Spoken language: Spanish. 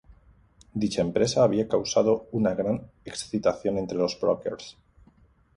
Dicha empresa había causado una gran excitación entre los brokers.